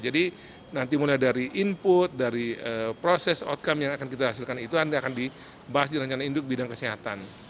jadi nanti mulai dari input dari proses outcome yang akan kita hasilkan itu nanti akan dibahas di rancana induk bidang kesehatan